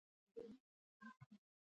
قاتلان په دې وپوهول شي.